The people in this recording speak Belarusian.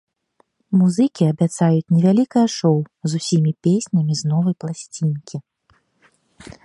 Музыкі абяцаюць невялікае шоў з усімі песнямі з новай пласцінкі.